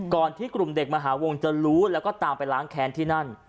ที่กลุ่มเด็กมหาวงจะรู้แล้วก็ตามไปล้างแค้นที่นั่น